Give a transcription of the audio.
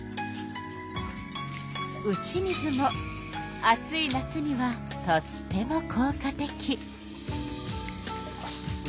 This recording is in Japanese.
打ち水も暑い夏にはとってもこう果的。